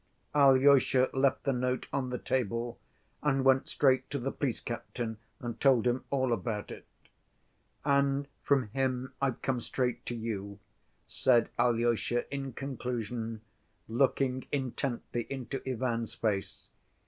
Alyosha left the note on the table and went straight to the police captain and told him all about it. "And from him I've come straight to you," said Alyosha, in conclusion, looking intently into Ivan's face.